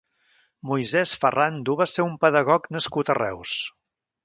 Moisès Ferrando va ser un pedagog nascut a Reus.